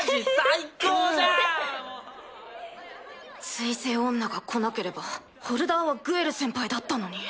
水星女が来なければホルダーはグエル先輩だったのに。